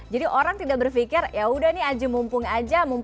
jadi orang tidak berpikir ya sudah ini mumpung saja